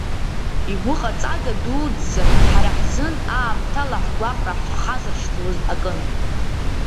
Игәыҟаҵага дуӡӡан ҳара ҳзын, аамҭала ҳгәаҟра ҳхазыршҭлоз акын.